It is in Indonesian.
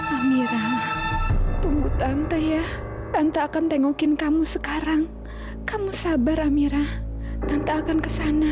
amirah tunggu tante ya tante akan tengokin kamu sekarang kamu sabar amira tanpa akan kesana